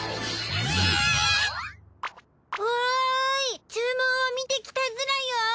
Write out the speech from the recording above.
おい注文を見て来たズラよ。